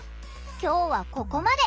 今日はここまで。